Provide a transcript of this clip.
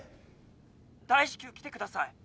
大至急来てください！